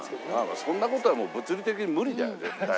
そんな事は物理的に無理だよ絶対。